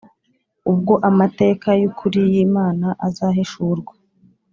ubwo amateka y’ukuri y’Imana azahishurwa